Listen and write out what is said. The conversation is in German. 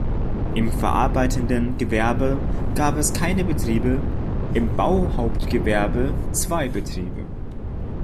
Im verarbeitenden Gewerbe gab es keine Betriebe, im Bauhauptgewerbe zwei Betriebe.